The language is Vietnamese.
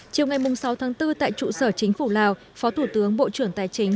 chiều ngày sáu tháng bốn tại trụ sở chính phủ lào phó thủ tướng bộ trưởng tài chính